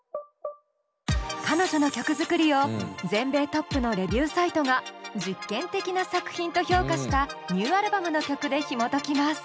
彼女の曲作りを全米トップのレビューサイトが「実験的な作品」と評価したニューアルバムの曲でひもときます。